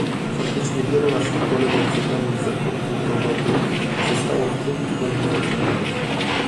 Faktycznie wielu naszych kolegów z odległych zakątków Europy zostało w tym tygodniu zatrzymanych